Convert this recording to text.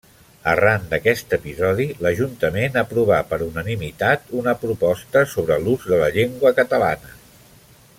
Arran d'aquest episodi, l'ajuntament aprovà per unanimitat una proposta sobre l'ús de la llengua catalana.